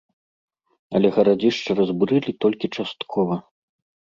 Але гарадзішча разбурылі толькі часткова.